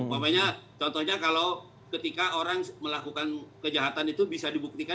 maksudnya contohnya kalau ketika orang melakukan kejahatan itu bisa dibuktikan